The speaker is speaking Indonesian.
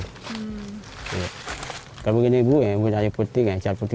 kalau begini saya sudah memotongnya putih